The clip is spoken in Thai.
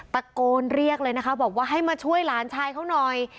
ตะโกนเรียกเลยนะคะบอกว่าให้มาช่วยหลานชายเขาหน่อย